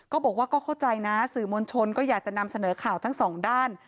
ก็บอกว่าก็เข้าใจนะสื่อมวลชนก็อยากจะนำเสนอข่าวทั้งสองด้าน